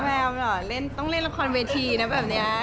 แบบว่าต้องเล่นละครเวทีนะแบบนี้ค่ะ